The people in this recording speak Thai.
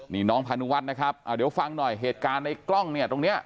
นี่น้องพานุวัฒน์นะครับเดี๋ยวฟังหน่อยเหตุการณ์ในกล้องเนี่ยตรงนี้